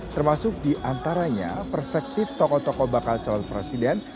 termasuk di antaranya perspektif tokoh tokoh bakal calon presiden